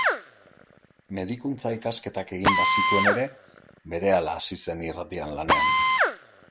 Medikuntza-ikasketak egin bazituen ere, berehala hasi zen irratian lanean.